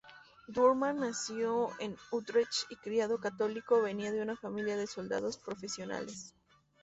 Doorman, nacido en Utrecht y criado católico, venía de una familia de soldados profesionales.